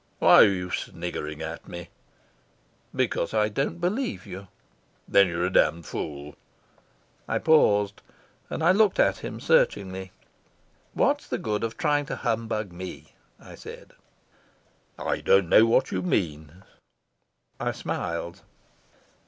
"Why are you sniggering at me?" "Because I don't believe you." "Then you're a damned fool." I paused, and I looked at him searchingly. "What's the good of trying to humbug me?" I said. "I don't know what you mean." I smiled.